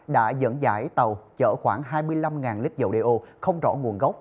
đã dẫn dãi tàu chở khoảng hai mươi năm lít dầu đeo không rõ nguồn gốc